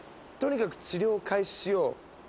とにかく治療を開始しよう。